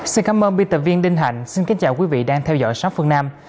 xin cảm ơn biên tập viên đinh hạnh xin kính chào quý vị đang theo dõi sát phương nam